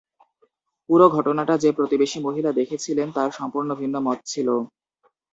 পুরো ঘটনাটা যে-প্রতিবেশী মহিলা দেখেছিলেন, তার সম্পূর্ণ ভিন্ন মত ছিল।